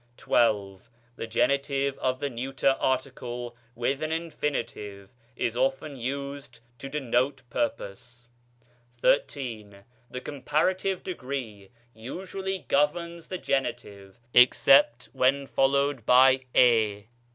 XII. The genitive of the neuter article with an infinitive is often used to denote purpose. XIII. The comparative degree usually governs the genitive, except when followed by 4%. XIV.